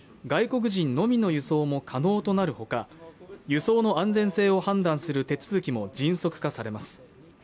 外国人のみの輸送も可能となるほか輸送の安全性を判断する手続きも迅速化されます